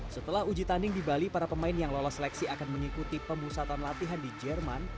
setelah uji tanding di bali para pemain yang lolos seleksi akan mengikuti pemusatan latihan di jerman